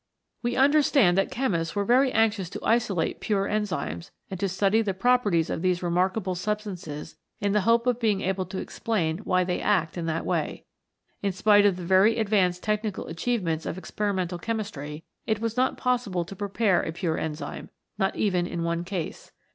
We understand that chemists were very anxious to isolate pure enzymes and to study the pro perties of these most remarkable substances in the hope of being able to explain why they act in that way. In spite of the very advanced technical achievements of experimental chemistry, it was not possible to prepare a pure enzyme, not even in one case.